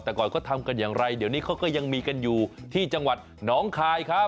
แต่ก่อนเขาทำกันอย่างไรเดี๋ยวนี้เขาก็ยังมีกันอยู่ที่จังหวัดหนองคายครับ